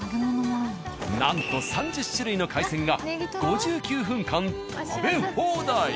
なんと３０種類の海鮮が５９分間食べ放題。